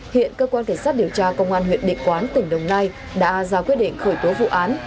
hiện cơ quan cảnh sát điều tra công an huyện địa quán tỉnh đồng nai đã ra quyết định khởi tố vụ án